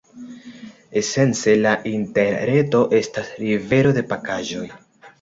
Esence la Interreto estas rivero de pakaĵoj.